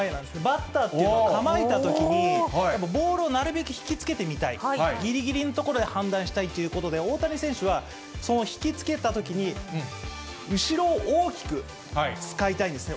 バッターっていうのは構えたときに、やっぱりボールをなるべく引きつけてみたい、ぎりぎりのところで判断したいということで、大谷選手はその引き付けたときに、後ろを大きく使いたいんですね。